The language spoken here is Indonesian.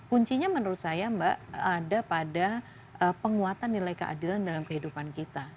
karena menurut saya mbak ada pada penguatan nilai keadilan dalam kehidupan kita